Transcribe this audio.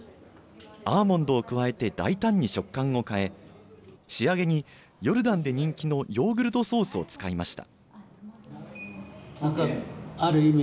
アーモンドを加えて大胆に食感を変え仕上げにヨルダンで人気のヨーグルトソースを使いました。